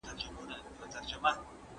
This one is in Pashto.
واکمن بايد د کورنيو ناخوالو مخنيوی وکړي.